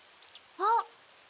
あっ！